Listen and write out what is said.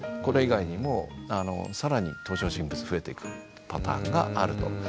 これ以外にも更に登場人物増えてくるパターンがあると。